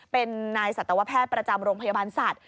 เป็นนายสัตวแพทย์ประจำโรงพยาบาลสัตว